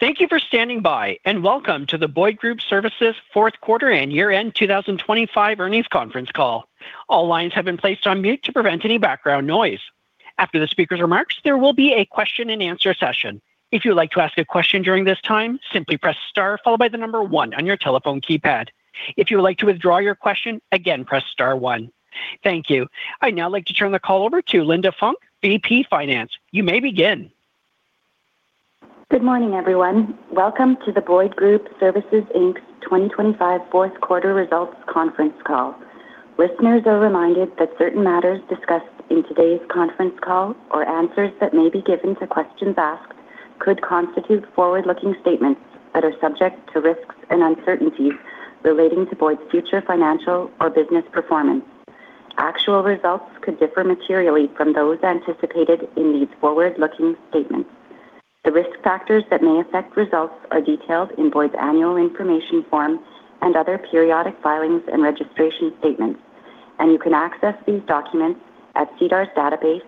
Thank you for standing by and welcome to The Boyd Group Services Q4 and year-end 2025 earnings conference call. All lines have been placed on mute to prevent any background noise. After the speaker's remarks, there will be a question-and-answer session. If you would like to ask a question during this time, simply press star followed by the number one on your telephone keypad. If you would like to withdraw your question, again, press star one. Thank you. I'd now like to turn the call over to Linda Funk, VP Finance. You may begin. Good morning, everyone. Welcome to The Boyd Group Services Inc.'s 2025 Q4 results conference call. Listeners are reminded that certain matters discussed in today's conference call or answers that may be given to questions asked could constitute forward-looking statements that are subject to risks and uncertainties relating to Boyd's future financial or business performance. Actual results could differ materially from those anticipated in these forward-looking statements. The risk factors that may affect results are detailed in Boyd's annual information form and other periodic filings and registration statements, and you can access these documents at SEDAR's database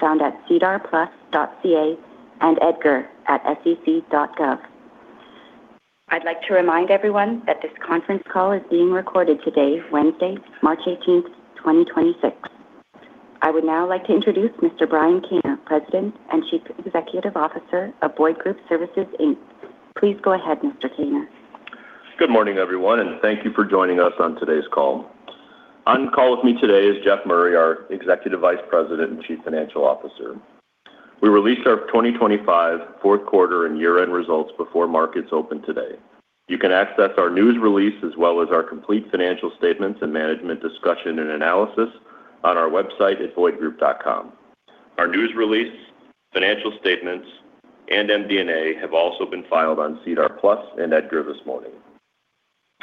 found at sedarplus.ca and EDGAR at sec.gov. I'd like to remind everyone that this conference call is being recorded today, Wednesday, March 18, 2026. I would now like to introduce Mr. Brian Kaner, President and Chief Executive Officer of The Boyd Group Services Inc. Please go ahead, Mr. Kaner. Good morning, everyone, and thank you for joining us on today's call. On call with me today is Jeff Murray, our Executive Vice President and Chief Financial Officer. We released our 2025 Q4 and year end results before markets opened today. You can access our news release as well as our complete financial statements and management discussion and analysis on our website at boydgroup.com. Our news release, financial statements, and MD&A have also been filed on SEDAR+ and EDGAR this morning.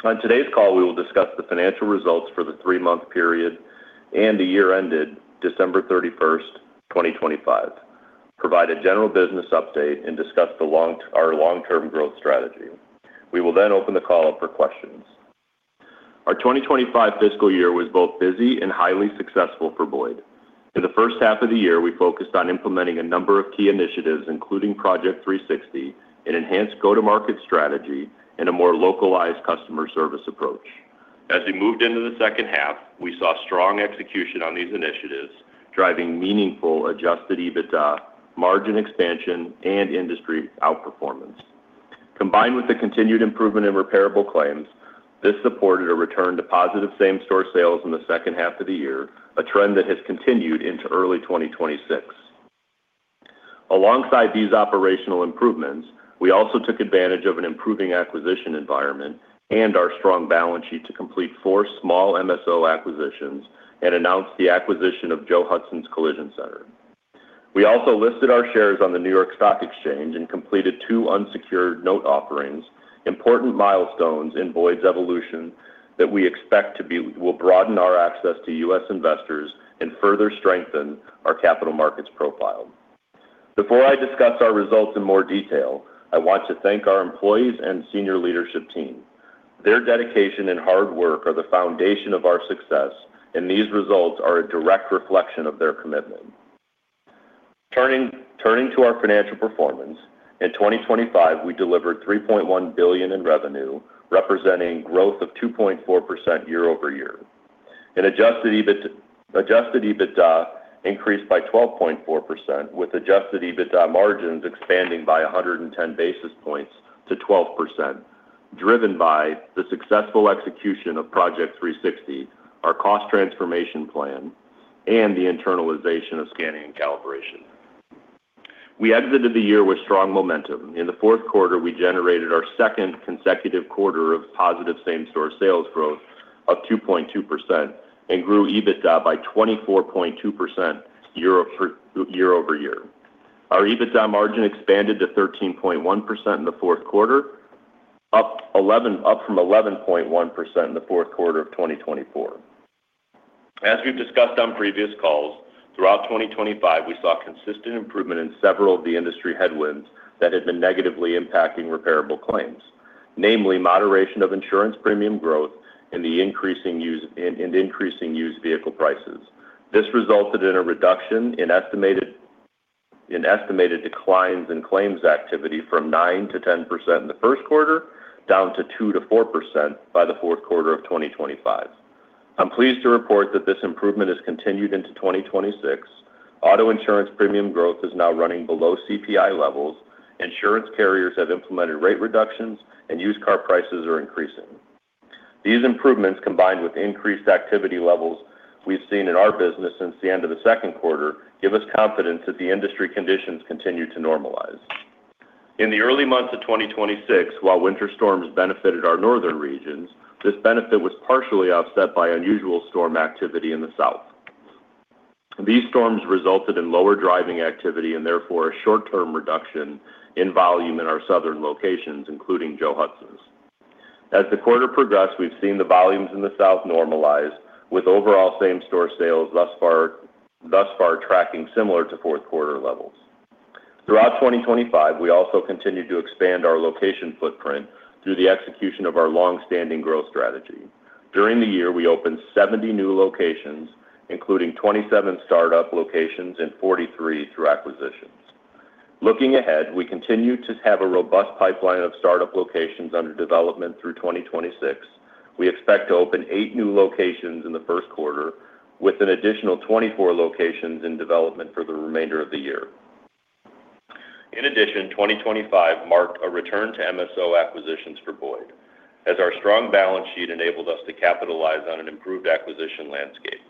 On today's call, we will discuss the financial results for the three-month period and the year ended December 31, 2025, provide a general business update and discuss our long-term growth strategy. We will then open the call up for questions. Our 2025 fiscal year was both busy and highly successful for Boyd. In the first half of the year, we focused on implementing a number of key initiatives, including Project 360, an enhanced go-to-market strategy, and a more localized customer service approach. As we moved into the second half, we saw strong execution on these initiatives, driving meaningful adjusted EBITDA, margin expansion, and industry outperformance. Combined with the continued improvement in repairable claims, this supported a return to positive same-store sales in the second half of the year, a trend that has continued into early 2026. Alongside these operational improvements, we also took advantage of an improving acquisition environment and our strong balance sheet to complete four small MSO acquisitions and announced the acquisition of Joe Hudson's Collision Center. We also listed our shares on the New York Stock Exchange and completed two unsecured note offerings, important milestones in Boyd's evolution that will broaden our access to U.S. investors and further strengthen our capital markets profile. Before I discuss our results in more detail, I want to thank our employees and senior leadership team. Their dedication and hard work are the foundation of our success, and these results are a direct reflection of their commitment. Turning to our financial performance, in 2025, we delivered 3.1 billion in revenue, representing growth of 2.4% year-over-year. Adjusted EBITDA increased by 12.4%, with adjusted EBITDA margins expanding by 110 basis points to 12%, driven by the successful execution of Project 360, our cost transformation plan, and the internalization of scanning and calibration. We exited the year with strong momentum. In the Q4, we generated our second consecutive quarter of positive same-store sales growth of 2.2% and grew EBITDA by 24.2% year-over-year. Our EBITDA margin expanded to 13.1% in the Q4, up from 11.1% in the Q4 of 2024. As we've discussed on previous calls, throughout 2025, we saw consistent improvement in several of the industry headwinds that had been negatively impacting repairable claims, namely moderation of insurance premium growth and the increasing used vehicle prices. This resulted in a reduction in estimated declines in claims activity from 9%-10% in the Q1, down to 2%-4% by the Q4 of 2025. I'm pleased to report that this improvement has continued into 2026. Auto insurance premium growth is now running below CPI levels. Insurance carriers have implemented rate reductions and used car prices are increasing. These improvements, combined with increased activity levels we've seen in our business since the end of the Q2, give us confidence that the industry conditions continue to normalize. In the early months of 2026, while winter storms benefited our northern regions, this benefit was partially offset by unusual storm activity in the south. These storms resulted in lower driving activity and therefore a short-term reduction in volume in our southern locations, including Joe Hudson's. As the quarter progressed, we've seen the volumes in the south normalize with overall same-store sales thus far tracking similar to Q4 levels. Throughout 2025, we also continued to expand our location footprint through the execution of our long-standing growth strategy. During the year, we opened 70 new locations, including 27 startup locations and 43 through acquisitions. Looking ahead, we continue to have a robust pipeline of startup locations under development through 2026. We expect to open eight new locations in the Q1 with an additional 24 locations in development for the remainder of the year. In addition, 2025 marked a return to MSO acquisitions for Boyd as our strong balance sheet enabled us to capitalize on an improved acquisition landscape.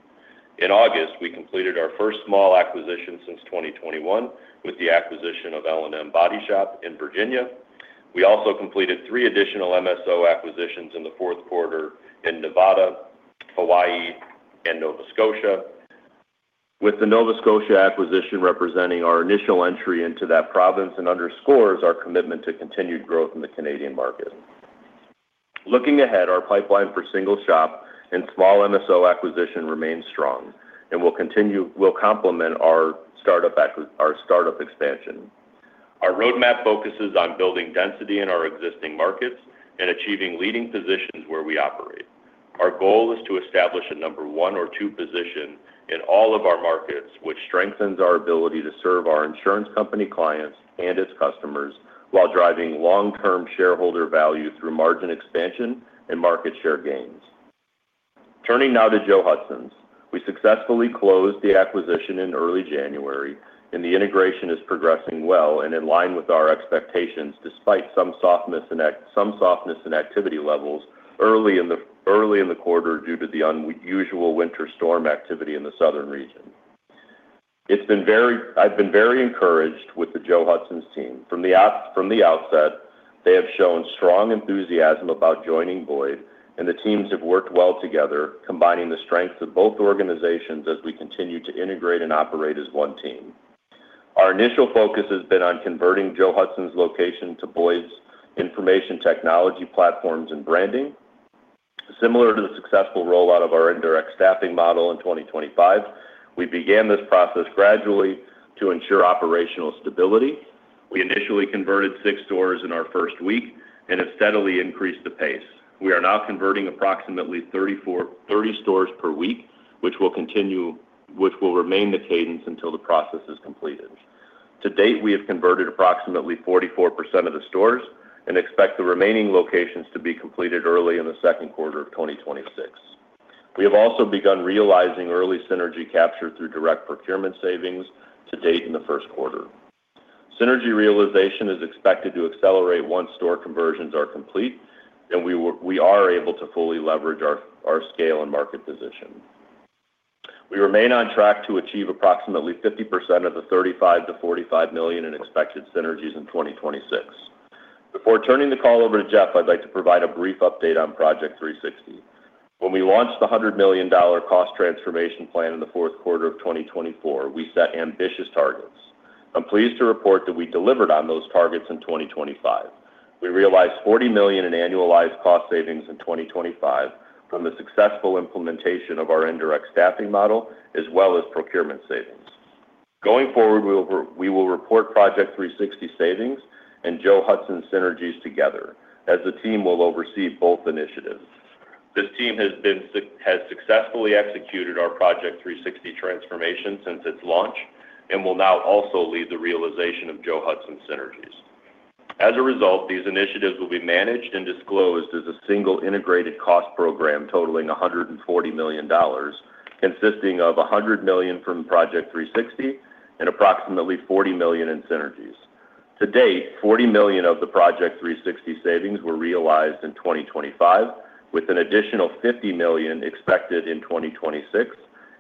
In August, we completed our first small acquisition since 2021 with the acquisition of L&M Body Shop in Virginia. We also completed 3 additional MSO acquisitions in the Q4 in Nevada, Hawaii, and Nova Scotia, with the Nova Scotia acquisition representing our initial entry into that province and underscores our commitment to continued growth in the Canadian market. Looking ahead, our pipeline for single shop and small MSO acquisition remains strong and will complement our startup expansion. Our roadmap focuses on building density in our existing markets and achieving leading positions where we operate. Our goal is to establish a number one or two position in all of our markets, which strengthens our ability to serve our insurance company clients and its customers while driving long-term shareholder value through margin expansion and market share gains. Turning now to Joe Hudson's. We successfully closed the acquisition in early January, and the integration is progressing well and in line with our expectations despite some softness in activity levels early in the quarter due to the unusual winter storm activity in the southern region. I've been very encouraged with the Joe Hudson's team. From the outset, they have shown strong enthusiasm about joining Boyd, and the teams have worked well together, combining the strengths of both organizations as we continue to integrate and operate as one team. Our initial focus has been on converting Joe Hudson's locations to Boyd's information technology platforms and branding. Similar to the successful rollout of our indirect staffing model in 2025, we began this process gradually to ensure operational stability. We initially converted six stores in our first week and have steadily increased the pace. We are now converting approximately 30 stores per week, which will remain the cadence until the process is completed. To date, we have converted approximately 44% of the stores and expect the remaining locations to be completed early in the Q2 of 2026. We have also begun realizing early synergy captured through direct procurement savings to date in the Q1. Synergy realization is expected to accelerate once store conversions are complete and we are able to fully leverage our scale and market position. We remain on track to achieve approximately 50% of the 35 million-45 million in expected synergies in 2026. Before turning the call over to Jeff, I'd like to provide a brief update on Project 360. When we launched the 100 million dollar cost transformation plan in the Q4 of 2024, we set ambitious targets. I'm pleased to report that we delivered on those targets in 2025. We realized 40 million in annualized cost savings in 2025 from the successful implementation of our indirect staffing model, as well as procurement savings. Going forward, we will report Project 360 savings and Joe Hudson's synergies together as the team will oversee both initiatives. This team has successfully executed our Project 360 transformation since its launch and will now also lead the realization of Joe Hudson's synergies. As a result, these initiatives will be managed and disclosed as a single integrated cost program totaling 140 million dollars, consisting of 100 million from Project 360 and approximately 40 million in synergies. To date, 40 million of the Project 360 savings were realized in 2025, with an additional 50 million expected in 2026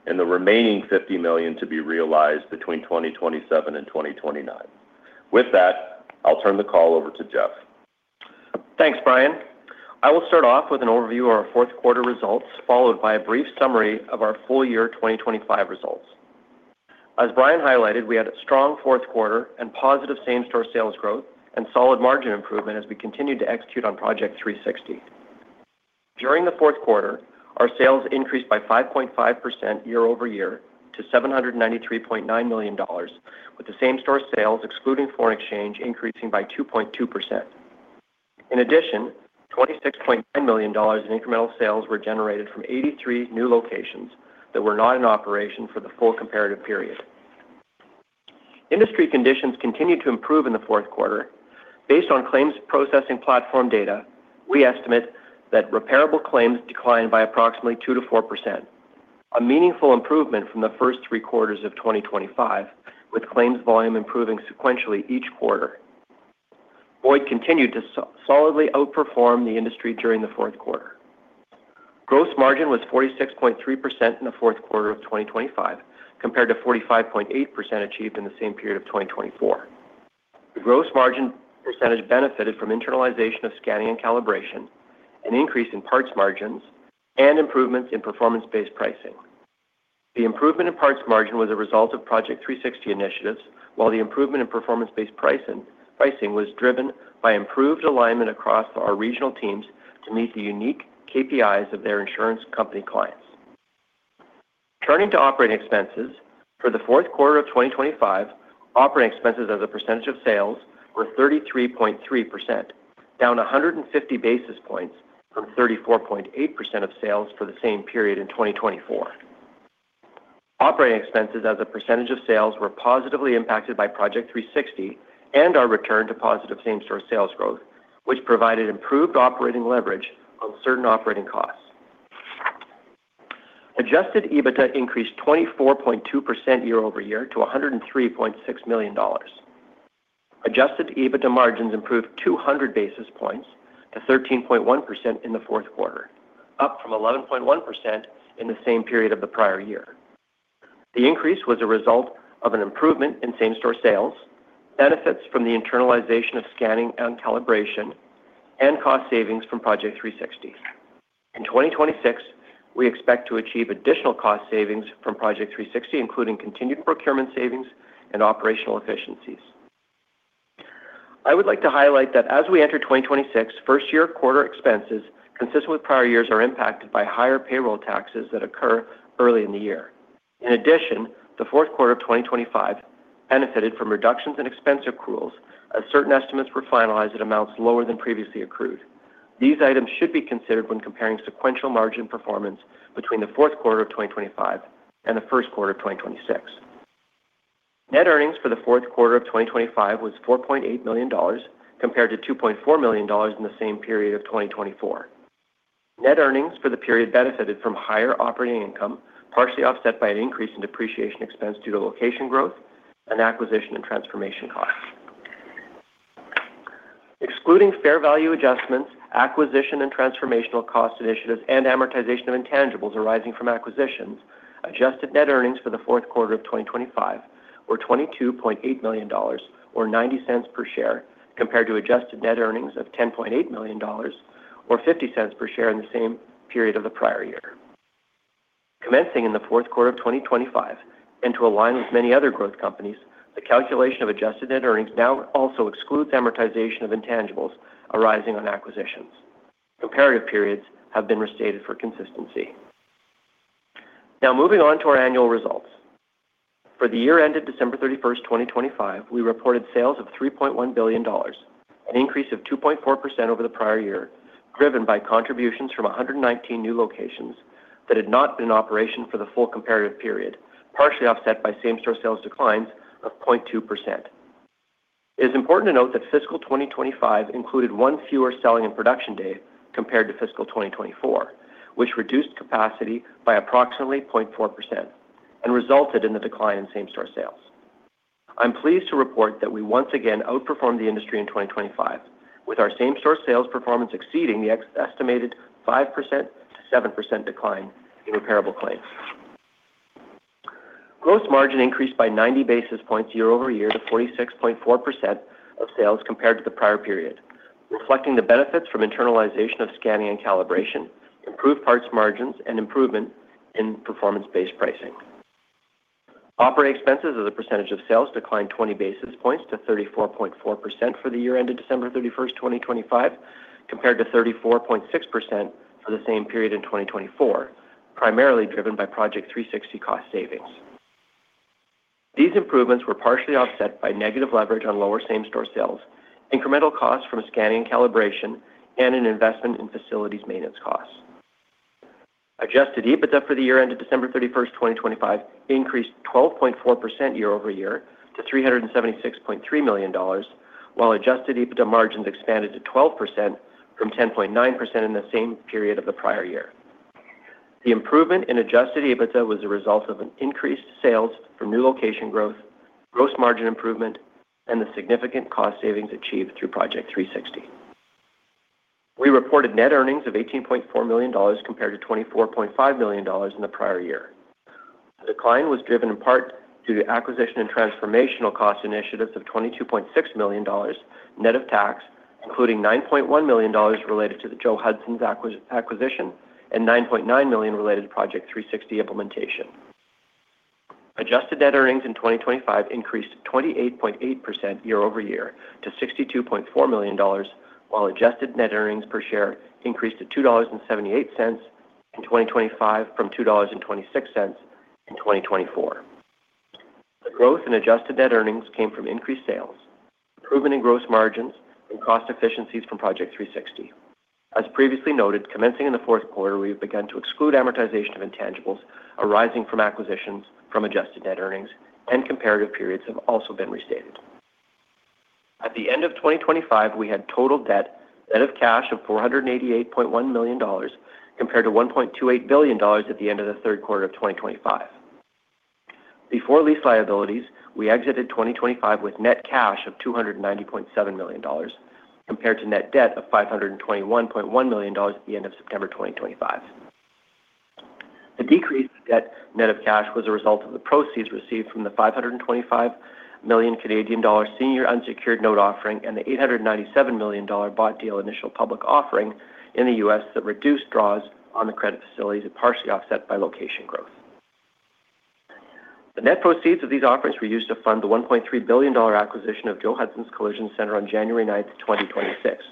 and the remaining 50 million to be realized between 2027 and 2029. With that, I'll turn the call over to Jeff. Thanks, Brian. I will start off with an overview of our Q4 results, followed by a brief summary of our full year 2025 results. As Brian highlighted, we had a strong Q4 and positive same-store sales growth and solid margin improvement as we continued to execute on Project 360. During the Q4, our sales increased by 5.5% year-over-year to 793.9 million dollars, with the same-store sales excluding foreign exchange increasing by 2.2%. In addition, 26.9 million dollars in incremental sales were generated from 83 new locations that were not in operation for the full comparative period. Industry conditions continued to improve in the Q4. Based on claims processing platform data, we estimate that repairable claims declined by approximately 2%-4%, a meaningful improvement from the first three quarters of 2025, with claims volume improving sequentially each quarter. Boyd continued to solidly outperform the industry during the Q4. Gross margin was 46.3% in the Q4 of 2025, compared to 45.8% achieved in the same period of 2024. The gross margin percentage benefited from internalization of scanning and calibration, an increase in parts margins, and improvements in performance-based pricing. The improvement in parts margin was a result of Project 360 initiatives, while the improvement in performance-based pricing was driven by improved alignment across our regional teams to meet the unique KPIs of their insurance company clients. Turning to operating expenses, for the Q4 of 2025, operating expenses as a percentage of sales were 33.3%, down 150 basis points from 34.8% of sales for the same period in 2024. Operating expenses as a percentage of sales were positively impacted by Project 360 and our return to positive same-store sales growth, which provided improved operating leverage on certain operating costs. Adjusted EBITDA increased 24.2% year-over-year to 103.6 million dollars. Adjusted EBITDA margins improved 200 basis points to 13.1% in the Q4, up from 11.1% in the same period of the prior year. The increase was a result of an improvement in same-store sales, benefits from the internalization of scanning and calibration, and cost savings from Project 360. In 2026, we expect to achieve additional cost savings from Project 360, including continued procurement savings and operational efficiencies. I would like to highlight that as we enter 2026, Q1 expenses consistent with prior years are impacted by higher payroll taxes that occur early in the year. In addition, the Q4 of 2025 benefited from reductions in expense accruals as certain estimates were finalized at amounts lower than previously accrued. These items should be considered when comparing sequential margin performance between the Q4 of 2025 and the Q1 of 2026. Net earnings for the Q4 of 2025 was 4.8 million dollars compared to 2.4 million dollars in the same period of 2024. Net earnings for the period benefited from higher operating income, partially offset by an increase in depreciation expense due to location growth and acquisition and transformation costs. Excluding fair value adjustments, acquisition and transformational cost initiatives, and amortization of intangibles arising from acquisitions, adjusted net earnings for the Q4 of 2025 were 22.8 million dollars or 0.90 per share compared to adjusted net earnings of 10.8 million dollars or 0.50 per share in the same period of the prior year. Commencing in the Q4 of 2025 and to align with many other growth companies, the calculation of adjusted net earnings now also excludes amortization of intangibles arising on acquisitions. Comparative periods have been restated for consistency. Now moving on to our annual results. For the year ended December 31, 2025, we reported sales of 3.1 billion dollars, an increase of 2.4% over the prior year, driven by contributions from 119 new locations that had not been in operation for the full comparative period, partially offset by same-store sales declines of 0.2%. It is important to note that fiscal 2025 included one fewer selling and production day compared to fiscal 2024, which reduced capacity by approximately 0.4% and resulted in the decline in same-store sales. I'm pleased to report that we once again outperformed the industry in 2025, with our same-store sales performance exceeding the estimated 5%-7% decline in repairable claims. Gross margin increased by 90 basis points year-over-year to 46.4% of sales compared to the prior period, reflecting the benefits from internalization of scanning and calibration, improved parts margins, and improvement in performance-based pricing. Operating expenses as a percentage of sales declined 20 basis points to 34.4% for the year ended December 31, 2025, compared to 34.6% for the same period in 2024, primarily driven by Project 360 cost savings. These improvements were partially offset by negative leverage on lower same-store sales, incremental costs from scanning and calibration, and an investment in facilities maintenance costs. Adjusted EBITDA for the year ended December 31, 2025, increased 12.4% year-over-year to CAD 376.3 million, while adjusted EBITDA margins expanded to 12% from 10.9% in the same period of the prior year. The improvement in adjusted EBITDA was a result of an increased sales from new location growth, gross margin improvement, and the significant cost savings achieved through Project 360. We reported net earnings of 18.4 million dollars compared to 24.5 million dollars in the prior year. The decline was driven in part due to acquisition and transformational cost initiatives of 22.6 million dollars net of tax, including 9.1 million dollars related to the Joe Hudson's acquisition and 9.9 million related to Project 360 implementation. Adjusted net earnings in 2025 increased 28.8% year-over-year to 62.4 million dollars, while adjusted net earnings per share increased to 2.78 dollars in 2025 from 2.26 dollars in 2024. The growth in adjusted net earnings came from increased sales, improvement in gross margins, and cost efficiencies from Project 360. As previously noted, commencing in the Q4, we have begun to exclude amortization of intangibles arising from acquisitions from adjusted net earnings, and comparative periods have also been restated. At the end of 2025, we had total debt net of cash of 488.1 million dollars compared to 1.28 billion dollars at the end of the Q3 of 2025. Before lease liabilities, we exited 2025 with net cash of 290.7 million dollars compared to net debt of 521.1 million dollars at the end of September 2025. The decrease in debt net of cash was a result of the proceeds received from the 525 million Canadian dollar senior unsecured note offering and the $897 million bought deal initial public offering in the US that reduced draws on the credit facilities and partially offset by location growth. The net proceeds of these offerings were used to fund the $1.3 billion acquisition of Joe Hudson's Collision Center on January 9, 2026.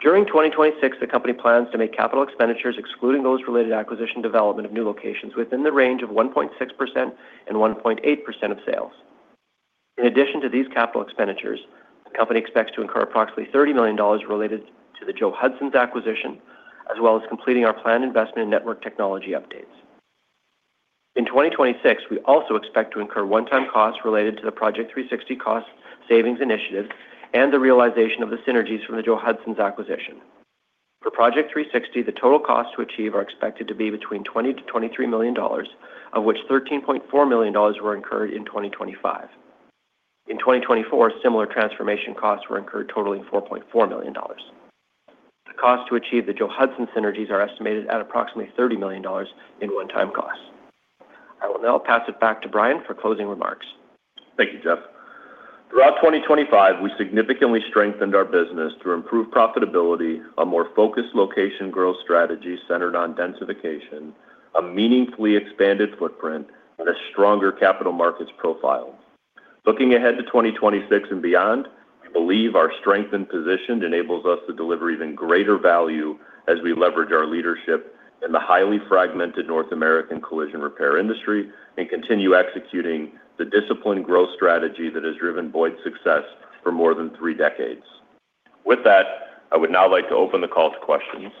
During 2026, the company plans to make capital expenditures, excluding those related to acquisition development of new locations, within the range of 1.6%-1.8% of sales. In addition to these capital expenditures, the company expects to incur approximately $30 million related to the Joe Hudson's acquisition, as well as completing our planned investment in network technology updates. In 2026, we also expect to incur one-time costs related to the Project 360 cost savings initiative and the realization of the synergies from the Joe Hudson's acquisition. For Project 360, the total costs to achieve are expected to be between 20 million-23 million dollars, of which 13.4 million dollars were incurred in 2025. In 2024, similar transformation costs were incurred totaling 4.4 million dollars. The cost to achieve the Joe Hudson's synergies are estimated at approximately 30 million dollars in one-time costs. I will now pass it back to Brian for closing remarks. Thank you, Jeff. Throughout 2025, we significantly strengthened our business through improved profitability, a more focused location growth strategy centered on densification, a meaningfully expanded footprint, and a stronger capital markets profile. Looking ahead to 2026 and beyond, we believe our strength and position enables us to deliver even greater value as we leverage our leadership in the highly fragmented North American collision repair industry and continue executing the disciplined growth strategy that has driven Boyd's success for more than three decades. With that, I would now like to open the call to questions.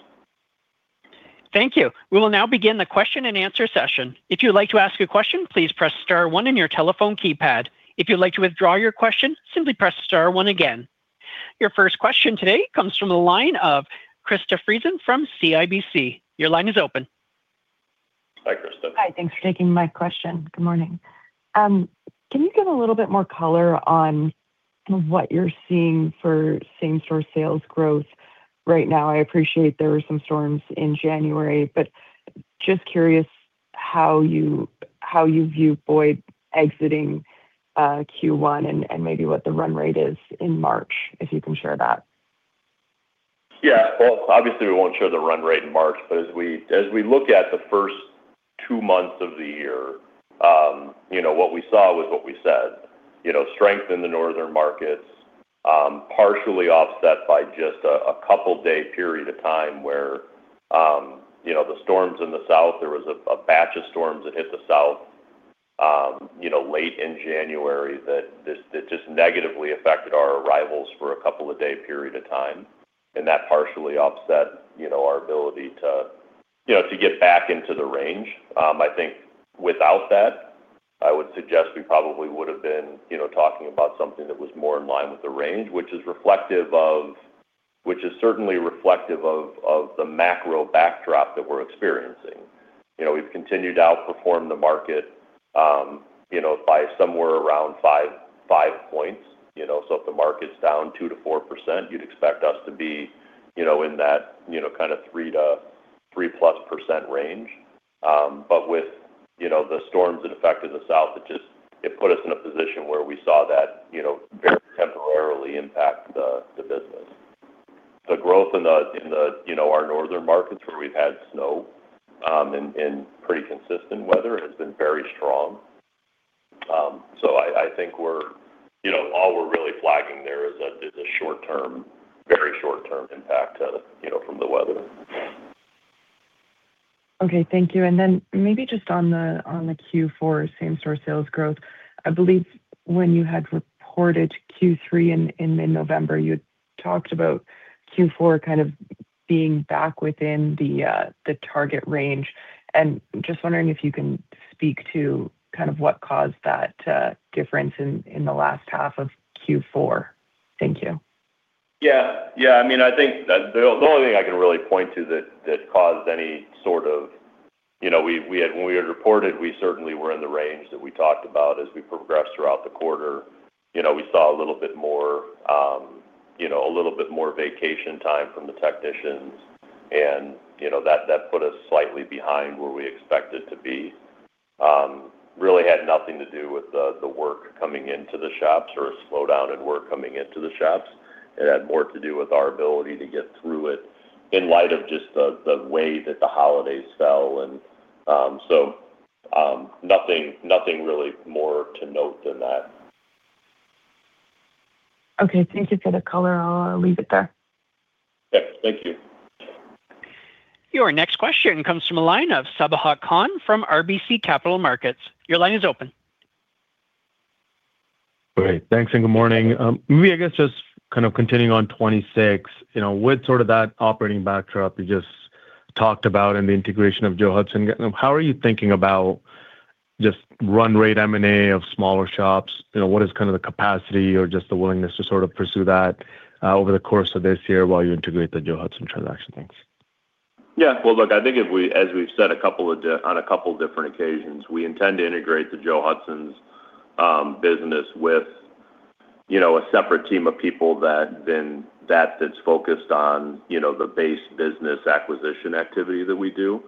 Thank you. We will now begin the question-and-answer session. If you'd like to ask a question, please press star one on your telephone keypad. If you'd like to withdraw your question, simply press star one again. Your first question today comes from the line of Krista Friesen from CIBC. Your line is open. Hi, Krista. Hi. Thanks for taking my question. Good morning. Can you give a little bit more color on what you're seeing for same-store sales growth right now? I appreciate there were some storms in January, but just curious how you view Boyd exiting Q1 and maybe what the run rate is in March, if you can share that. Yeah. Well, obviously, we won't show the run rate in March. As we look at the first two months of the year, you know, what we saw was what we said. You know, strength in the northern markets, partially offset by just a couple day period of time where, you know, the storms in the south. There was a batch of storms that hit the south, you know, late in January that just negatively affected our arrivals for a couple of day period of time, and that partially offset, you know, our ability to, you know, to get back into the range. I think without that, I would suggest we probably would have been, you know, talking about something that was more in line with the range, which is reflective of. Which is certainly reflective of the macro backdrop that we're experiencing. You know, we've continued to outperform the market, you know, by somewhere around five points. You know, if the market's down 2%-4%, you'd expect us to be, you know, in that, you know, kind of 3%-3+% range. With the storms that affected the South, it just put us in a position where we saw that very temporary impact on the business. The growth in our northern markets where we've had snow and pretty consistent weather has been very strong. I think we're, you know, all we're really flagging there is a short-term, very short-term impact, you know, from the weather. Okay. Thank you. Maybe just on the Q4 same-store sales growth. I believe when you had reported Q3 in mid-November, you talked about Q4 kind of being back within the target range. Just wondering if you can speak to kind of what caused that difference in the last half of Q4. Thank you. Yeah. Yeah. I mean, I think the only thing I can really point to that caused any sort of, you know. When we had reported, we certainly were in the range that we talked about as we progressed throughout the quarter. You know, we saw a little bit more, you know, a little bit more vacation time from the technicians and, you know, that put us slightly behind where we expected to be. Really had nothing to do with the work coming into the shops or a slowdown in work coming into the shops. It had more to do with our ability to get through it in light of just the way that the holidays fell. So, nothing really more to note than that. Okay. Thank you for the color. I'll leave it there. Yeah. Thank you. Your next question comes from a line of Sabahat Khan from RBC Capital Markets. Your line is open. Great. Thanks, and good morning. Maybe, I guess, just kind of continuing on 26. You know, with sort of that operating backdrop you just talked about and the integration of Joe Hudson, how are you thinking about just run rate M&A of smaller shops? You know, what is kind of the capacity or just the willingness to sort of pursue that over the course of this year while you integrate the Joe Hudson transaction? Thanks. Yeah. Well, look, I think as we've said on a couple different occasions, we intend to integrate the Joe Hudson's business with, you know, a separate team of people that's focused on, you know, the base business acquisition activity that we do.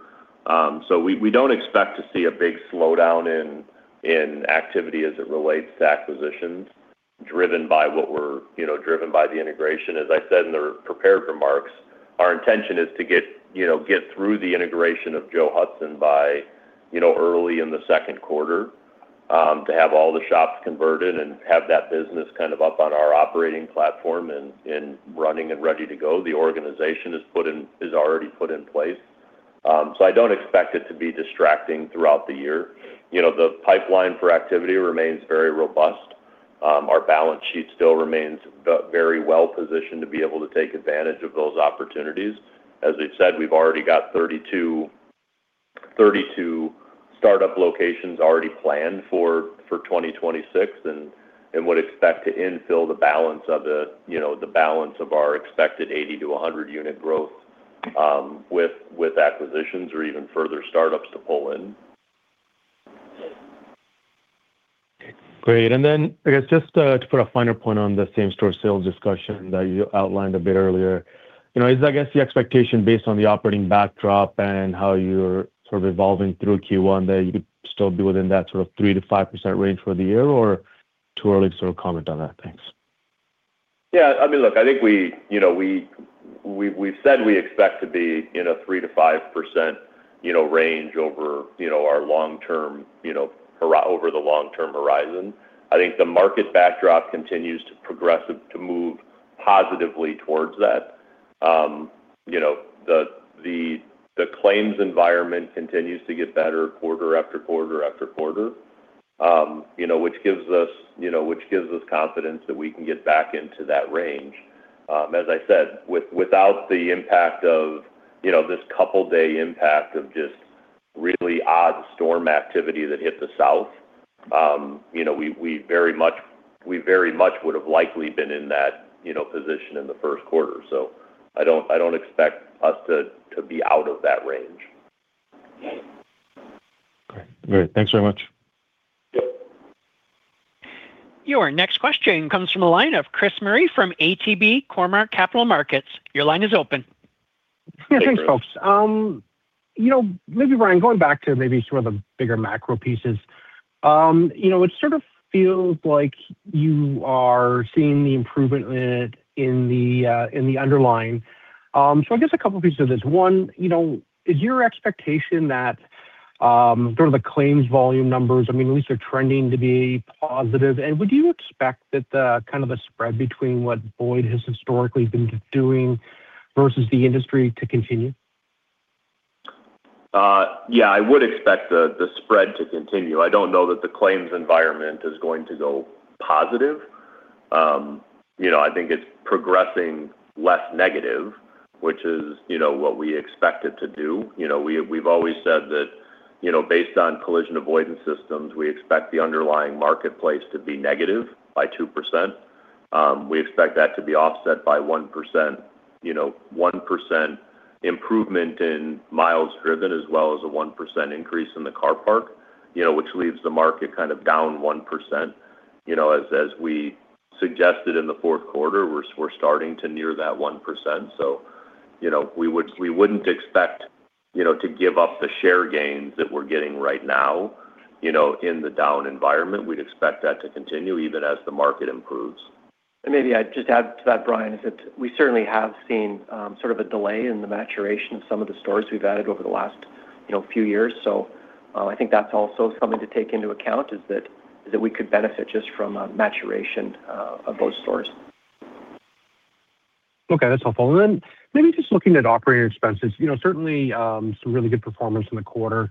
We don't expect to see a big slowdown in activity as it relates to acquisitions driven by what we're, you know, driven by the integration. As I said in the prepared remarks, our intention is to get through the integration of Joe Hudson's by, you know, early in the Q2 to have all the shops converted and have that business kind of up on our operating platform and running and ready to go. The organization is already put in place. I don't expect it to be distracting throughout the year. You know, the pipeline for activity remains very robust. Our balance sheet still remains very well-positioned to be able to take advantage of those opportunities. As we've said, we've already got 32 startup locations already planned for 2026 and would expect to infill the balance of our expected 80-100-unit growth, you know, with acquisitions or even further startups to pull in. Great. Then I guess just to put a finer point on the same-store sales discussion that you outlined a bit earlier, you know, is, I guess, the expectation based on the operating backdrop and how you're sort of evolving through Q1 that you could still be within that sort of 3%-5% range for the year, or too early to sort of comment on that? Thanks. Yeah. I mean, look, I think we you know we've said we expect to be in a 3%-5% you know range over you know our long-term you know over the long-term horizon. I think the market backdrop continues to progress to move positively towards that. You know, the claims environment continues to get better quarter-after-quarter-after-quarter, which gives us you know confidence that we can get back into that range. As I said, without the impact of you know this couple day impact of just really odd storm activity that hit the South, you know we very much would have likely been in that you know position in the Q1. I don't expect us to be out of that range. Great. Thanks very much. Your next question comes from a line of Chris Murray from ATB Capital Markets. Your line is open. Yeah. Thanks, folks. You know, maybe Brian, going back to maybe sort of the bigger macro pieces, you know, it sort of feels like you are seeing the improvement in the underlying. I guess a couple pieces of this. One, you know, is your expectation that sort of the claims volume numbers, I mean, at least they're trending to be positive. Would you expect that the kind of a spread between what Boyd has historically been doing versus the industry to continue? Yeah. I would expect the spread to continue. I don't know that the claims environment is going to go positive. You know, I think it's progressing less negative, which is, you know, what we expect it to do. You know, we've always said that, you know, based on collision avoidance systems, we expect the underlying marketplace to be negative by 2%. We expect that to be offset by 1%, you know, 1% improvement in miles driven as well as a 1% increase in the car park, you know, which leaves the market kind of down 1%. You know, as we suggested in the Q4, we're starting to near that 1%. You know, we wouldn't expect, you know, to give up the share gains that we're getting right now, you know, in the down environment. We'd expect that to continue even as the market improves. Maybe I'd just add to that, Brian, is that we certainly have seen sort of a delay in the maturation of some of the stores we've added over the last, you know, few years. I think that's also something to take into account is that we could benefit just from maturation of those stores. Okay. That's helpful. Maybe just looking at operating expenses, you know, certainly some really good performance in the quarter.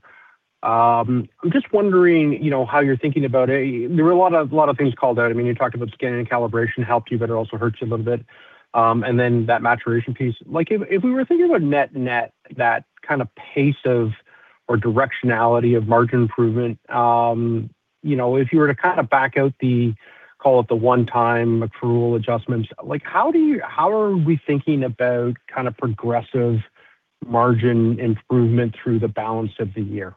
I'm just wondering, you know, how you're thinking about it. There were a lot of things called out. I mean, you talked about scanning and calibration helped you, but it also hurts you a little bit. Then that maturation piece. Like, if we were thinking about net, that kind of pace of or directionality of margin improvement, you know, if you were to kind of back out the, call it the one-time accrual adjustments, like, how are we thinking about kind of progressive margin improvement through the balance of the year?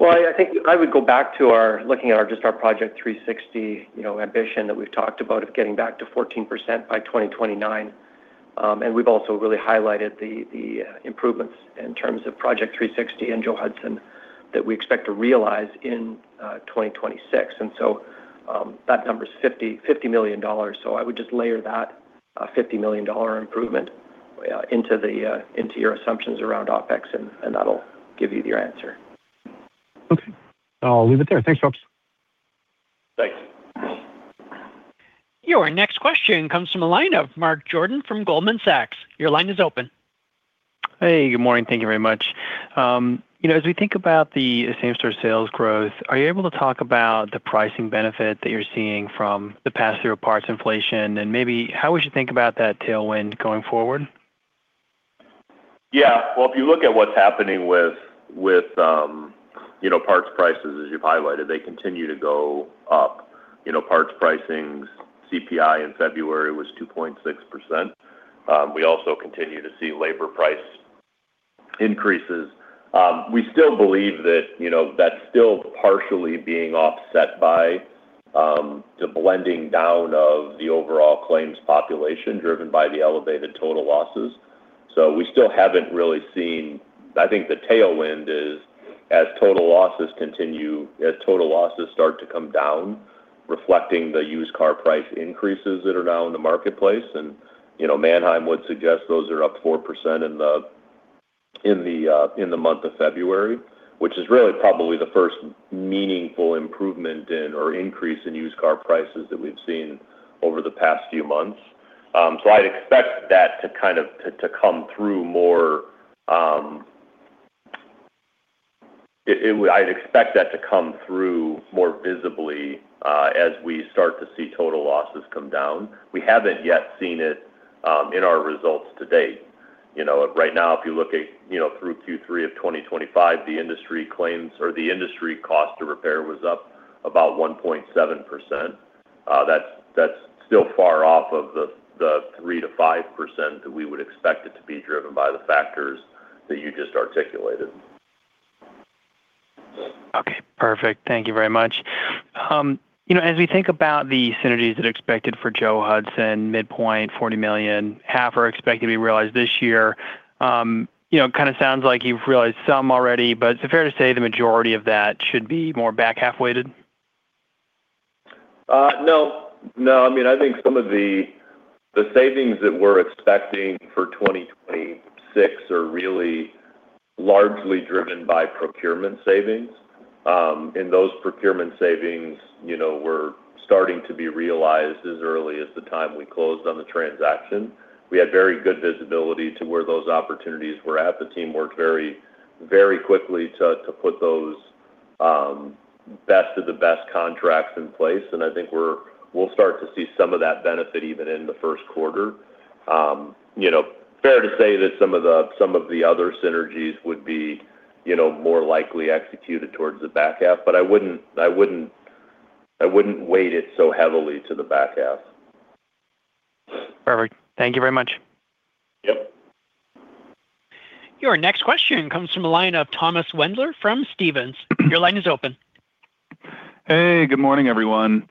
Well, I think I would go back to looking at just our Project 360, you know, ambition that we've talked about of getting back to 14% by 2029. We've also really highlighted the improvements in terms of Project 360 and Joe Hudson's that we expect to realize in 2026. That number is 50 million dollars. I would just layer that 50 million dollar improvement into your assumptions around OpEx, and that'll give you your answer. Okay. I'll leave it there. Thanks, folks. Thanks. Your next question comes from a line of Mark Jordan from Goldman Sachs. Your line is open. Hey. Good morning. Thank you very much. You know, as we think about the same-store sales growth, are you able to talk about the pricing benefit that you're seeing from the pass-through of parts inflation, and maybe how we should think about that tailwind going forward? Yeah. Well, if you look at what's happening with you know, parts prices, as you've highlighted, they continue to go up. You know, parts pricing CPI in February was 2.6%. We also continue to see labor price increases. We still believe that, you know, that's still partially being offset by the blending down of the overall claims' population driven by the elevated total losses. I think the tailwind is as total losses start to come down, reflecting the used car price increases that are now in the marketplace. You know, Manheim would suggest those are up 4% in the month of February, which is really probably the first meaningful improvement in or increase in used car prices that we've seen over the past few months. I'd expect that to come through more visibly as we start to see total losses come down. We haven't yet seen it in our results to date. You know, right now, if you look at, you know, through Q3 of 2025, the industry claims or the industry cost to repair was up about 1.7%. That's still far off of the 3%-5% that we would expect it to be driven by the factors that you just articulated. Okay, perfect. Thank you very much. You know, as we think about the synergies that are expected for Joe Hudson, midpoint 40 million, half are expected to be realized this year. You know, it kind of sounds like you've realized some already, but is it fair to say the majority of that should be more back half-weighted? No. No, I mean, I think some of the savings that we're expecting for 2026 are really largely driven by procurement savings. Those procurement savings, you know, were starting to be realized as early as the time we closed on the transaction. We had very good visibility to where those opportunities were at. The team worked very quickly to put those best of the best contracts in place. I think we'll start to see some of that benefit even in the Q1. You know, fair to say that some of the other synergies would be, you know, more likely executed towards the back half. I wouldn't weight it so heavily to the back half. Perfect. Thank you very much. Yep. Your next question comes from a line of Thomas Wendler from Stephens. Your line is open. Hey, good morning, everyone.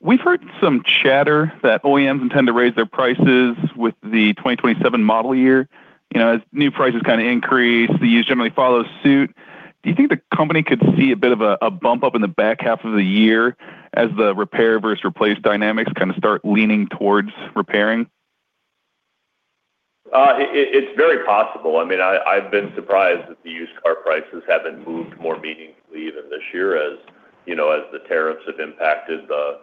We've heard some chatter that OEMs intend to raise their prices with the 2027 model year. You know, as new prices kind of increase, the used generally follow suit. Do you think the company could see a bit of a bump up in the back half of the year as the repair versus replace dynamics kind of start leaning towards repairing? It's very possible. I mean, I've been surprised that the used car prices haven't moved more meaningfully even this year as, you know, as the tariffs have impacted the,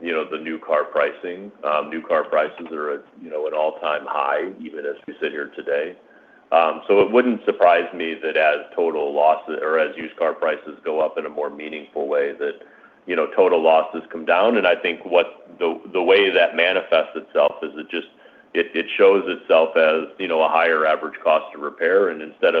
you know, the new car pricing. New car prices are at, you know, an all-time high even as we sit here today. So, it wouldn't surprise me that as total losses or as used car prices go up in a more meaningful way that, you know, total losses come down. I think what the way that manifests itself is it just shows itself as, you know, a higher average cost to repair. Instead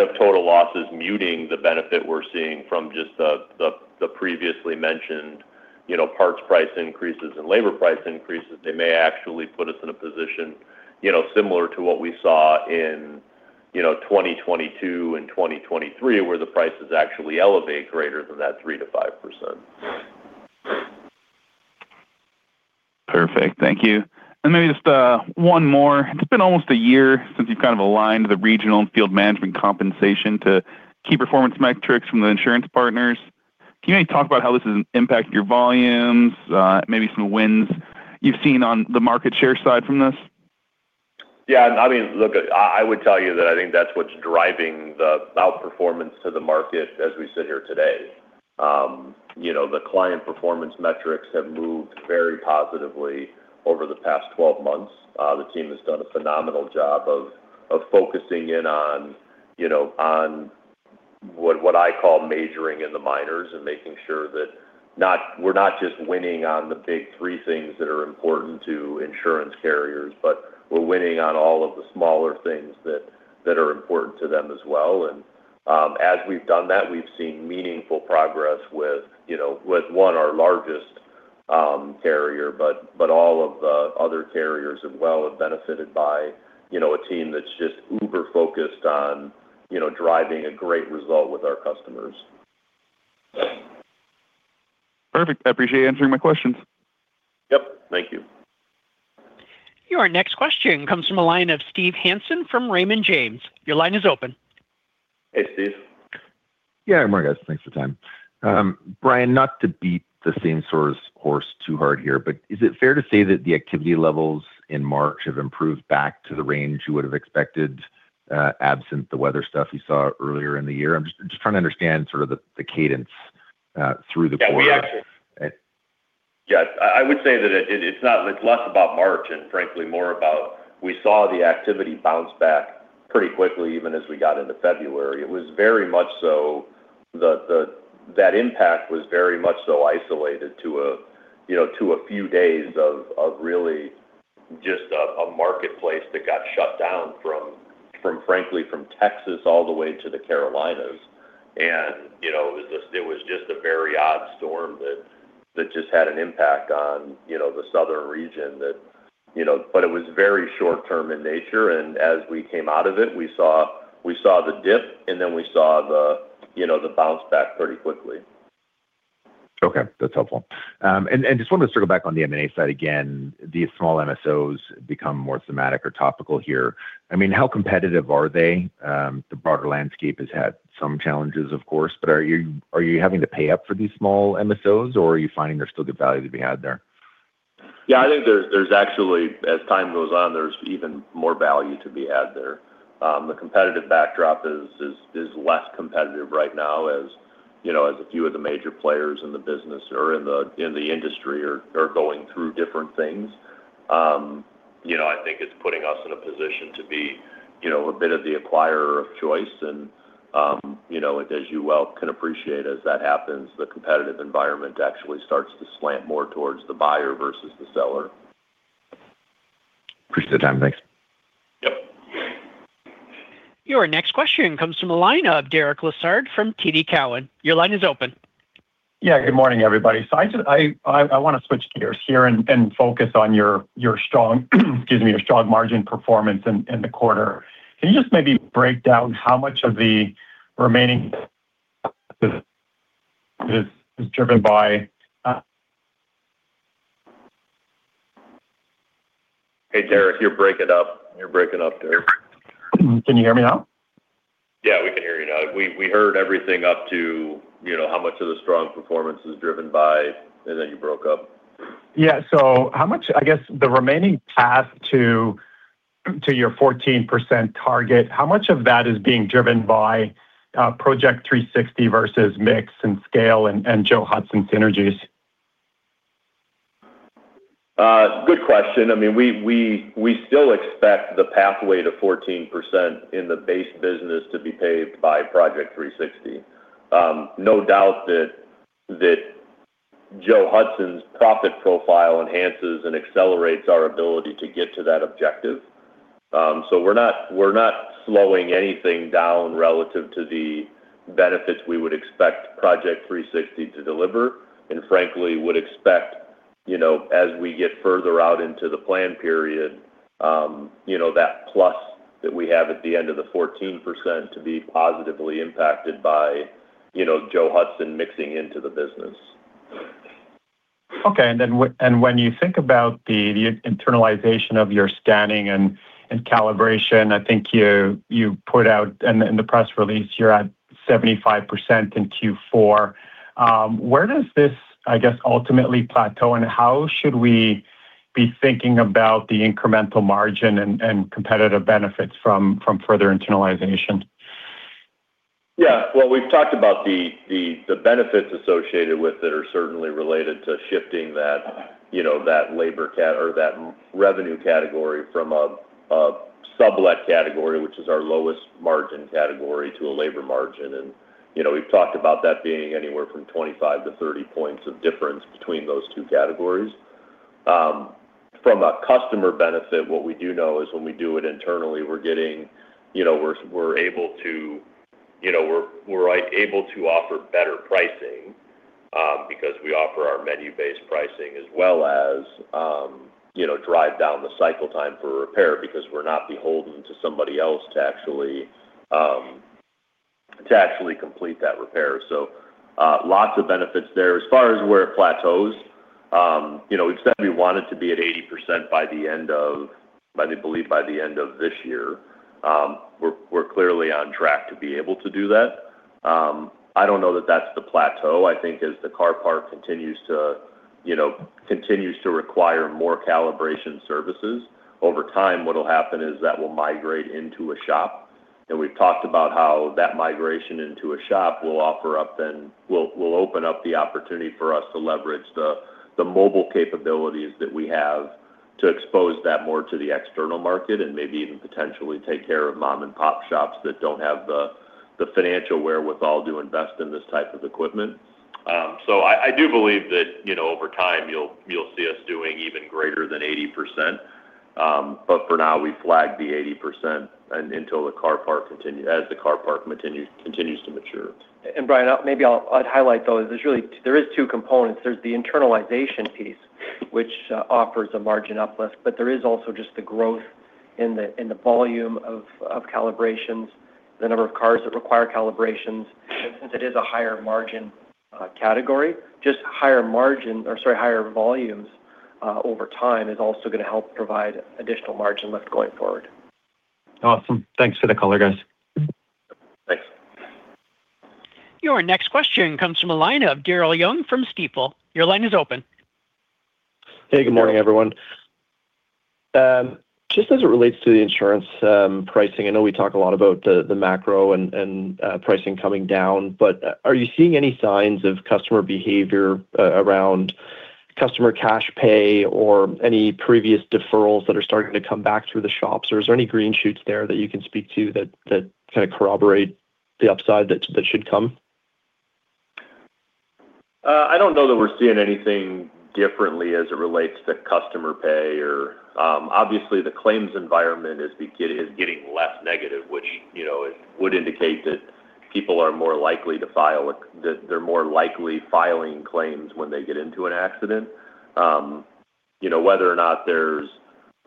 of total losses muting the benefit we're seeing from just the previously mentioned, you know, parts price increases and labor price increases, they may actually put us in a position, you know, similar to what we saw in, you know, 2022 and 2023, where the prices actually elevate greater than that 3%-5%. Perfect. Thank you. Maybe just one more. It's been almost a year since you've kind of aligned the regional and field management compensation to key performance metrics from the insurance partners. Can you maybe talk about how this has impacted your volumes, maybe some wins you've seen on the market share side from this? Yeah. I mean, look, I would tell you that I think that's what's driving the outperformance to the market as we sit here today. You know, the client performance metrics have moved very positively over the past 12 months. The team has done a phenomenal job of focusing in on you know on what I call majoring in the minors and making sure that we're not just winning on the big three things that are important to insurance carriers, but we're winning on all of the smaller things that are important to them as well. As we've done that, we've seen meaningful progress with you know with one our largest carrier, but all of the other carriers as well have benefited by you know a team that's just uber-focused on you know driving a great result with our customers. Perfect. I appreciate you answering my questions. Yep. Thank you. Your next question comes from a line of Steve Hansen from Raymond James. Your line is open. Hey, Steve. Yeah. Hi, guys. Thanks for the time. Brian, not to beat the same source horse too hard here, but is it fair to say that the activity levels in March have improved back to the range you would have expected, absent the weather stuff you saw earlier in the year? I'm just trying to understand sort of the cadence through the quarter. Yeah. We actually And- Yeah. I would say that it's not. It's less about March and frankly more about we saw the activity bounce back pretty quickly even as we got into February. It was very much so. That impact was very much so isolated to, you know, a few days of really just a marketplace that got shut down from, frankly, Texas all the way to the Carolinas. You know, it was just a very odd storm that just had an impact on, you know, the southern region. You know. It was very short term in nature, and as we came out of it, we saw the dip and then we saw, you know, the bounce back pretty quickly. Okay, that's helpful. Just wanted to circle back on the M&A side again, these small MSOs become more thematic or topical here. I mean, how competitive are they? The broader landscape has had some challenges of course, but are you having to pay up for these small MSOs or are you finding there's still good value to be had there? Yeah, I think there's actually as time goes on, there's even more value to be had there. The competitive backdrop is less competitive right now as, you know, as a few of the major players in the business or in the industry are going through different things. You know, I think it's putting us in a position to be, you know, a bit of the acquirer of choice and, you know, as you well can appreciate as that happens, the competitive environment actually starts to slant more towards the buyer versus the seller. Appreciate the time. Thanks. Yep. Your next question comes from the line of Derek Lessard from TD Cowen. Your line is open. Yeah. Good morning everybody. I wanna switch gears here and focus on your strong margin performance in the quarter. Can you just maybe break down how much of the remaining is driven by? Hey, Derek, you're breaking up. You're breaking up, Derek. Can you hear me now? Yeah, we can hear you now. We heard everything up to, you know, how much of the strong performance is driven by. You broke up. Yeah. How much, I guess the remaining path to your 14% target, how much of that is being driven by Project 360 versus mix and scale and Joe Hudson's synergies? Good question. I mean, we still expect the pathway to 14% in the base business to be paved by Project 360. No doubt that Joe Hudson's profit profile enhances and accelerates our ability to get to that objective. We're not slowing anything down relative to the benefits we would expect Project 360 to deliver. Frankly would expect, you know, as we get further out into the plan period, you know, that plus that we have at the end of the 14% to be positively impacted by, you know, Joe Hudson's mixing into the business. Okay. When you think about the internalization of your scanning and calibration, I think you put out in the press release you're at 75% in Q4. Where does this, I guess, ultimately plateau and how should we be thinking about the incremental margin and competitive benefits from further internalization? Yeah. Well, we've talked about the benefits associated with it are certainly related to shifting that, you know, that labor cat or that revenue category from a sublet category, which is our lowest margin category to a labor margin. You know, we've talked about that being anywhere from 25-30 points of difference between those two categories. From a customer benefit, what we do know is when we do it internally, we're able to offer better pricing because we offer our menu-based pricing as well as, you know, drive down the cycle time for repair because we're not beholden to somebody else to actually complete that repair. Lots of benefits there. As far as where it plateaus, you know, we've said we wanted to be at 80% by the end of this year. We're clearly on track to be able to do that. I don't know that that's the plateau. I think as the car part continues to require more calibration services over time, what'll happen is that we'll migrate into a shop and we've talked about how that migration into a shop will offer up then. Will open up the opportunity for us to leverage the mobile capabilities that we have to expose that more to the external market and maybe even potentially take care of mom-and-pop shops that don't have the financial wherewithal to invest in this type of equipment. I do believe that, you know, over time you'll see us doing even greater than 80%. For now, we flagged the 80% as the market continues to mature. Brian, I'd highlight though, there is two components. There's the internalization piece which offers a margin uplift, but there is also just the growth in the volume of calibrations, the number of cars that require calibrations. Since it is a higher margin category, just higher margin or sorry, higher volumes over time is also going to help provide additional margin lift going forward. Awesome. Thanks for the color guys. Thanks. Your next question comes from a line of Daryl Young from Stifel. Your line is open. Hey, good morning, everyone. Just as it relates to the insurance, pricing, I know we talk a lot about the macro and pricing coming down, but are you seeing any signs of customer behavior around customer cash pay or any previous deferrals that are starting to come back through the shops? Or is there any green shoots there that you can speak to that kind of corroborate the upside that should come? I don't know that we're seeing anything differently as it relates to customer pay or. Obviously, the claims environment is getting less negative, which, you know, it would indicate that people are more likely that they're more likely filing claims when they get into an accident. You know, whether or not there's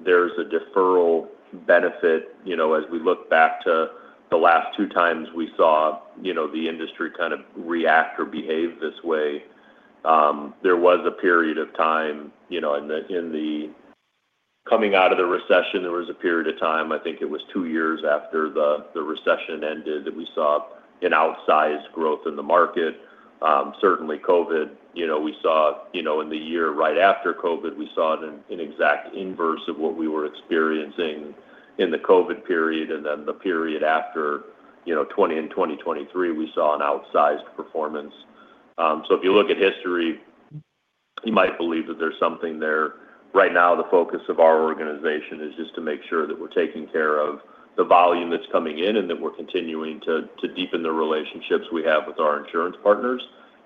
a deferral benefit, you know, as we look back to the last 2x we saw, you know, the industry kind of react or behave this way. There was a period of time, you know, in the coming out of the recession, I think it was two years after the recession ended, that we saw an outsized growth in the market. Certainly COVID, you know, we saw, you know, in the year right after COVID, we saw an exact inverse of what we were experiencing in the COVID period and then the period after, you know, 2020 and 2023, we saw an outsized performance. So, if you look at history, you might believe that there's something there. Right now, the focus of our organization is just to make sure that we're taking care of the volume that's coming in and that we're continuing to deepen the relationships we have with our insurance partners.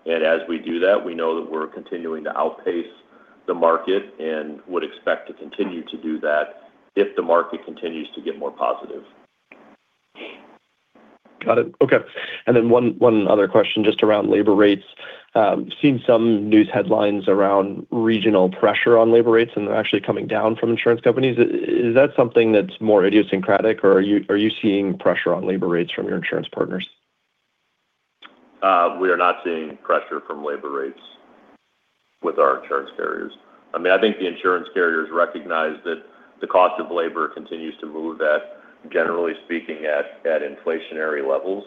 As we do that, we know that we're continuing to outpace the market and would expect to continue to do that if the market continues to get more positive. Got it. Okay. One other question just around labor rates. Seen some news headlines around regional pressure on labor rates, and they're actually coming down from insurance companies. Is that something that's more idiosyncratic, or are you seeing pressure on labor rates from your insurance partners? We are not seeing pressure from labor rates with our insurance carriers. I mean, I think the insurance carriers recognize that the cost of labor continues to move at, generally speaking, inflationary levels.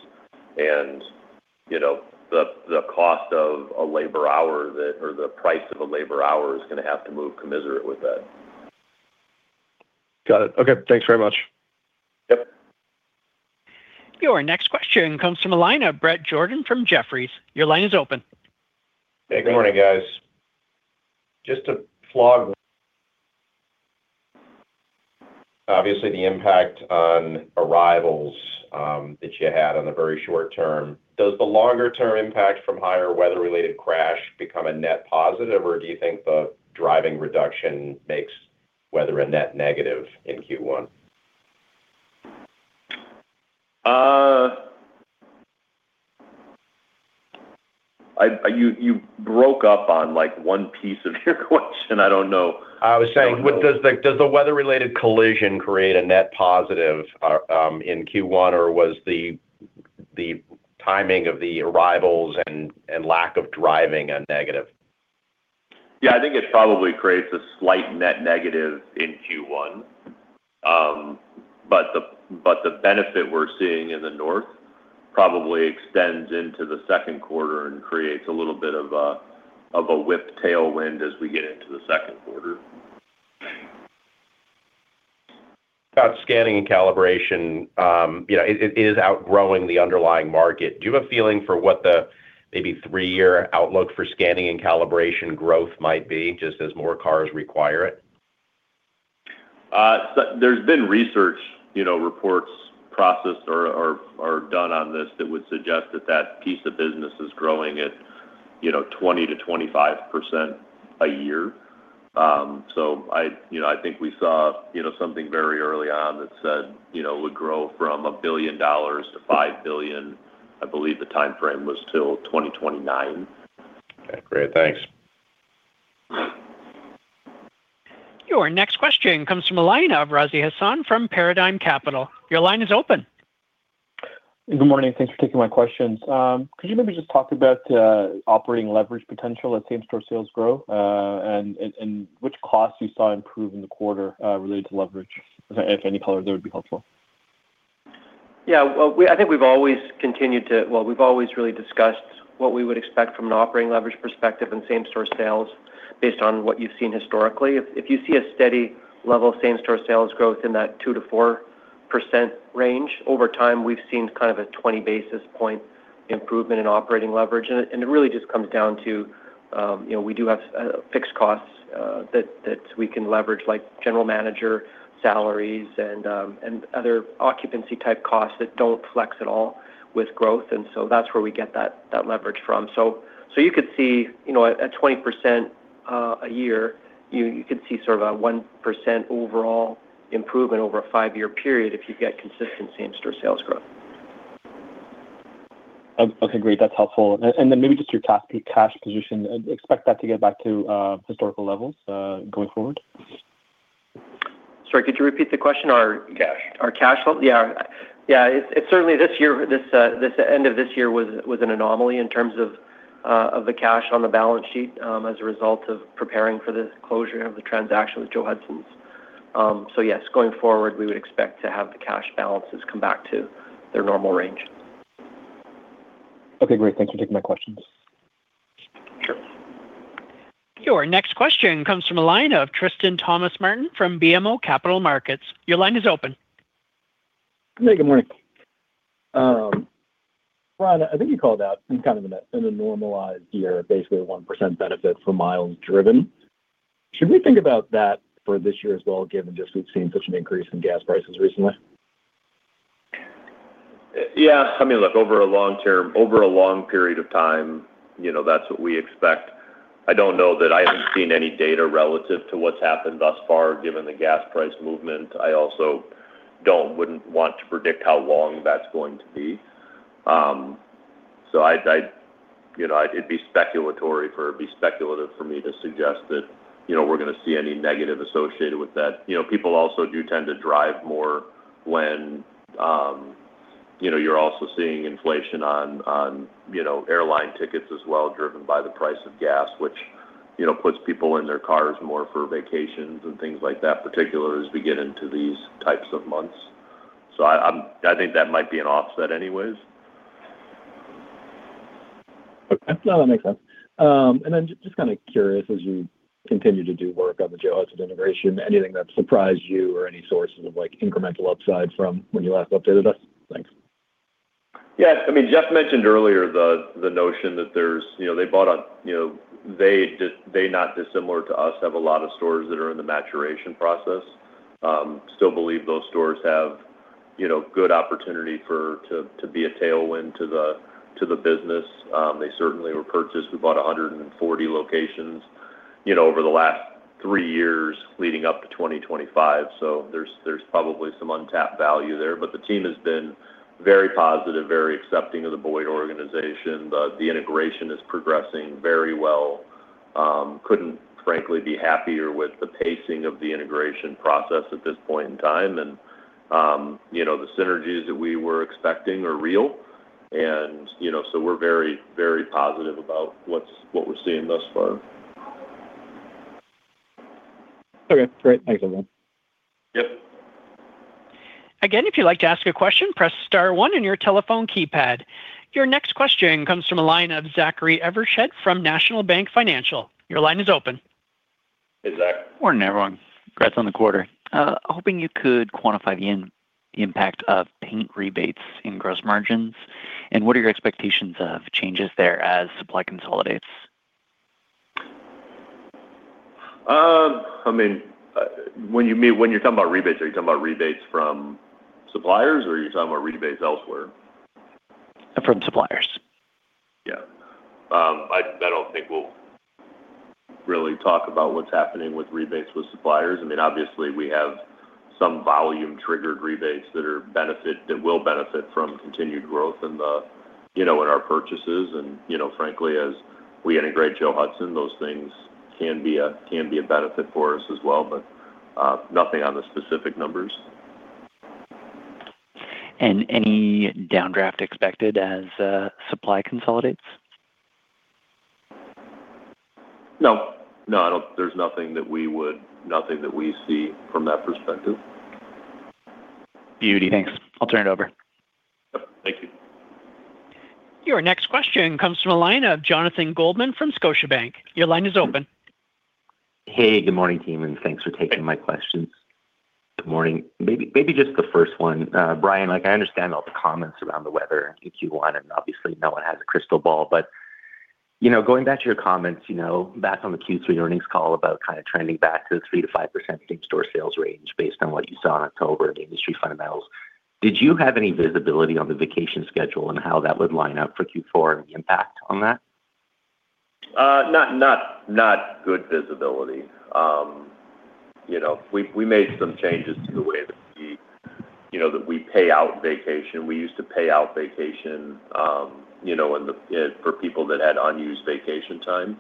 You know, the cost of a labor hour or the price of a labor hour is going to have to move commensurate with that. Got it. Okay. Thanks very much. Yep. Your next question comes from a line of Bret Jordan from Jefferies. Your line is open. Hey, good morning, guys. Obviously, the impact on arrivals that you had on the very short term, does the longer term impact from higher weather-related crash become a net positive, or do you think the driving reduction makes weather a net negative in Q1? You broke up on, like, one piece of your question. I don't know. I was saying, does the weather-related collision create a net positive in Q1, or was the timing of the arrivals and lack of driving a negative? Yeah. I think it probably creates a slight net negative in Q1. But the benefit we're seeing in the north probably extends into the Q2 and creates a little bit of a tailwind as we get into the Q2. About scanning and calibration, you know, it is outgrowing the underlying market. Do you have a feeling for what the maybe three-year outlook for scanning and calibration growth might be, just as more cars require it? There's been research, you know, reports processed or done on this that would suggest that piece of business is growing at, you know, 20%-25% a year. I, you know, I think we saw, you know, something very early on that said, you know, it would grow from $1 billion-$5 billion. I believe the timeframe was till 2029. Okay. Great. Thanks. Your next question comes from a line of Razi Hasan from Paradigm Capital. Your line is open. Good morning. Thanks for taking my questions. Could you maybe just talk about operating leverage potential as same-store sales grow, and which costs you saw improve in the quarter related to leverage? If any color, there would be helpful. Yeah. Well, I think we've always really discussed what we would expect from an operating leverage perspective and same-store sales based on what you've seen historically. If you see a steady level of same-store sales growth in that 2%-4% range over time, we've seen kind of a 20 basis point improvement in operating leverage. It really just comes down to, you know, we do have fixed costs that we can leverage, like general manager salaries and other occupancy type costs that don't flex at all with growth. That's where we get that leverage from. You could see, you know, at 20% a year, you could see sort of a 1% overall improvement over a five-year period if you get consistent same-store sales growth. Okay. Great. That's helpful. Then maybe just your cash position. Expect that to get back to historical levels going forward? Sorry, could you repeat the question? Cash. Our cash flow? Yeah. Yeah. It's certainly this end of this year was an anomaly in terms of the cash on the balance sheet, as a result of preparing for the closure of the transaction with Joe Hudson's. Yes, going forward, we would expect to have the cash balances come back to their normal range. Okay. Great. Thanks for taking my questions. Sure. Your next question comes from a line of Tristan Thomas-Martin from BMO Capital Markets. Your line is open. Hey, good morning. Brian, I think you called out some kind of, in a normalized year, basically a 1% benefit for miles driven. Should we think about that for this year as well, given just we've seen such an increase in gas prices recently? Yeah. I mean, look, over a long term, over a long period of time, you know, that's what we expect. I don't know that I haven't seen any data relative to what's happened thus far given the gas price movement. I also wouldn't want to predict how long that's going to be. I'd, you know, it'd be speculative for me to suggest that, you know, we're gonna see any negative associated with that. You know, people also do tend to drive more when, you know, you're also seeing inflation on, you know, airline tickets as well, driven by the price of gas, which, you know, puts people in their cars more for vacations and things like that, particularly as we get into these types of months. I think that might be an offset anyways. Okay. No, that makes sense. Just kind of curious, as you continue to do work on the Joe Hudson's integration, anything that surprised you or any sources of, like, incremental upside from when you last updated us? Thanks. Yeah. I mean, Jeff mentioned earlier the notion that there's, you know, they, not dissimilar to us, have a lot of stores that are in the maturation process. Still believe those stores have, you know, good opportunity to be a tailwind to the business. They certainly were purchased. We bought 140 locations, you know, over the last three years leading up to 2025. There's probably some untapped value there. The team has been very positive, very accepting of the Boyd organization. The integration is progressing very well. Couldn't frankly be happier with the pacing of the integration process at this point in time. You know, the synergies that we were expecting are real and, you know, so we're very, very positive about what we're seeing thus far. Okay, great. Thanks, everyone. Yep. Again, if you'd like to ask a question, press star one on your telephone keypad. Your next question comes from the line of Zachary Evershed from National Bank Financial. Your line is open. Hey, Zach. Morning, everyone. Congrats on the quarter. Hoping you could quantify the impact of paint rebates in gross margins, and what are your expectations of changes there as supply consolidates? I mean, when you're talking about rebates, are you talking about rebates from suppliers or are you talking about rebates elsewhere? From suppliers. Yeah. I don't think we'll really talk about what's happening with rebates with suppliers. I mean, obviously we have some volume-triggered rebates that will benefit from continued growth in the, you know, in our purchases and, you know, frankly, as we integrate Joe Hudson's, those things can be a benefit for us as well. Nothing on the specific numbers. Any downdraft expected as supply consolidates? No. No. There's nothing that we would, nothing that we see from that perspective. Beauty. Thanks. I'll turn it over. Yep. Thank you. Your next question comes from a line of Jonathan Goldman from Scotiabank. Your line is open. Hey, good morning, team, and thanks for taking my questions. Good morning. Maybe just the first one. Brian, like, I understand all the comments around the weather in Q1, and obviously no one has a crystal ball, but, you know, going back to your comments, you know, back on the Q3 earnings call about kind of trending back to the 3%-5% same-store sales range based on what you saw in October and the industry fundamentals, did you have any visibility on the vacation schedule and how that would line up for Q4 and the impact on that? Not good visibility. You know, we made some changes to the way that we, you know, that we pay out vacation. We used to pay out vacation, you know, for people that had unused vacation time.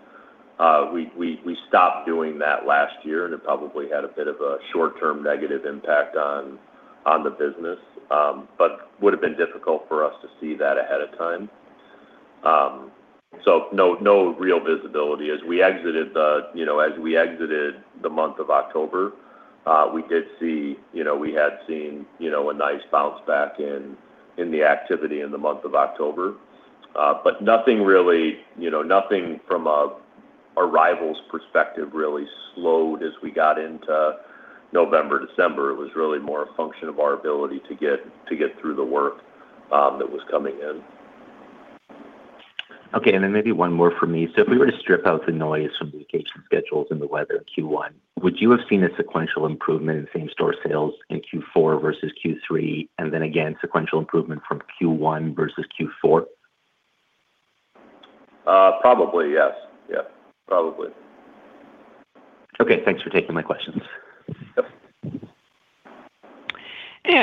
We stopped doing that last year, and it probably had a bit of a short-term negative impact on the business but would've been difficult for us to see that ahead of time. No real visibility. As we exited the month of October, we did see, you know, we had seen a nice bounce back in the activity in the month of October, but nothing really, nothing from a arrivals perspective really slowed as we got into November, December. It was really more a function of our ability to get through the work that was coming in. Okay. Then maybe one more for me. If we were to strip out the noise from vacation schedules and the weather in Q1, would you have seen a sequential improvement in same-store sales in Q4 versus Q3, and then again, sequential improvement from Q1 versus Q4? Probably, yes. Yeah, probably. Okay. Thanks for taking my questions. Yep.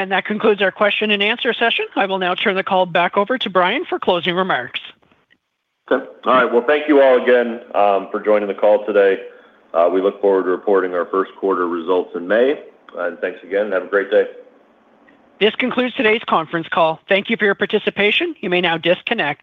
That concludes our question-and-answer session. I will now turn the call back over to Brian for closing remarks. Okay. All right. Well, thank you all again for joining the call today. We look forward to reporting our Q1 results in May. Thanks again. Have a great day. This concludes today's conference call. Thank you for your participation. You may now disconnect.